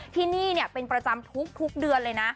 ที่นี่เป็นประจำทุกเดือนเลยนะ